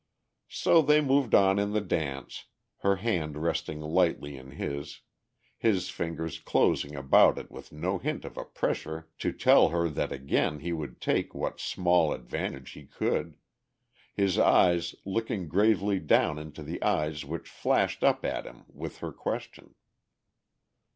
So they moved on in the dance, her hand resting lightly in his, his fingers closing about it with no hint of a pressure to tell her that again he would take what small advantage he could, his eyes looking gravely down into the eyes which flashed up at him with her question.